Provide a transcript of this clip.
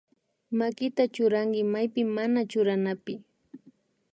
Makita churanki maypi mana churanapi